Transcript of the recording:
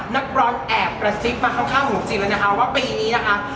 นักร้องแอบกระซิบมาข้างหูจินเลยนะคะว่าปีนี้นะคะ